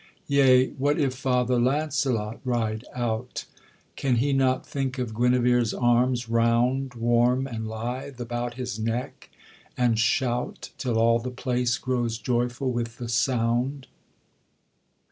Yea, what if Father Launcelot ride out, Can he not think of Guenevere's arms, round Warm and lithe, about his neck, and shout Till all the place grows joyful with the sound?